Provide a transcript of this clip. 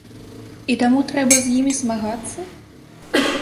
І таму трэба з імі змагацца?